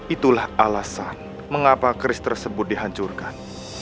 itulah alasan mengapa keris tersebut dihancurkan